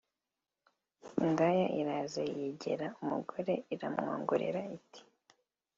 Indaya iraza yegera umugore iramwongorera iti